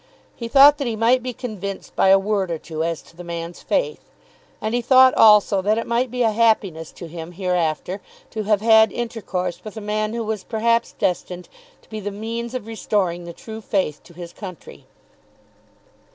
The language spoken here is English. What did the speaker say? He thought that he might be convinced by a word or two as to the man's faith. And he thought, also, that it might be a happiness to him hereafter to have had intercourse with a man who was perhaps destined to be the means of restoring the true faith to his country.